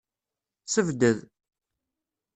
Sebded.